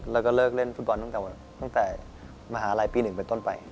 แล้วก็เลิกเล่นฟุตบอลตั้งแต่มหาลัยปี๑เป็นต้นไป